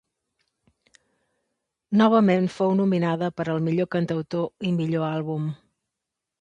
Novament fou nominada per al millor cantautor i millor àlbum.